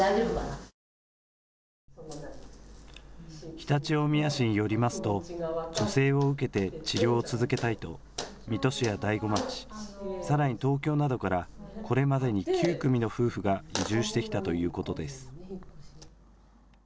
常陸大宮市によりますと助成を受けて治療を続けたいと水戸市や大子町、さらに東京などからこれまでに９組の夫婦が移住してきたということです。